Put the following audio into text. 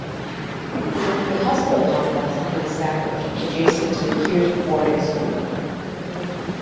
A hospital complex has been established adjacent to the Kyrgyz boarding school.